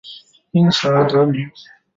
因此而得名。